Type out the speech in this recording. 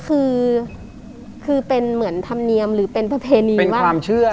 คือคือเป็นเหมือนธรรมเนียมหรือเป็นภณีเป็นความ